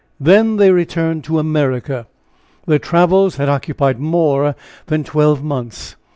Then they returned to America. Their travels had occupied more than twelve months.